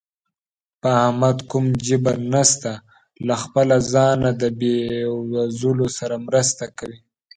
په احمد کوم جبر نشته، له خپله ځانه د بېوزلو سره مرسته کوي.